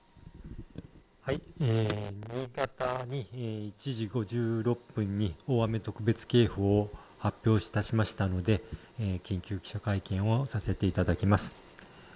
新潟に１時５６分に大雨特別警報を発表いたしましたので緊急記者会見をさせていただきます。